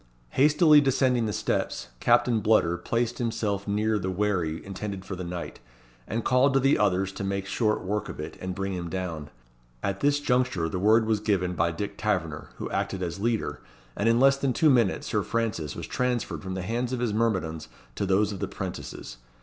Hastily descending the steps, Captain Bludder placed himself near the wherry intended for the knight, and called to the others to make short work of it and bring him down. At this juncture the word was given by Dick Taverner, who acted as leader, and in less than two minutes, Sir Francis was transferred from the hands of his myrmidons to those of the 'prentices.